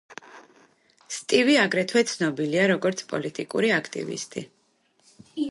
სტივი აგრეთვე ცნობილია, როგორც პოლიტიკური აქტივისტი.